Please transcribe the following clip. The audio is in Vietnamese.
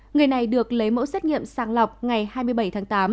người này được lấy mẫu xét nghiệm sàng lọc ngày hai mươi bảy tháng tám